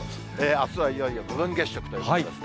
あすはいよいよ部分月食ということですね。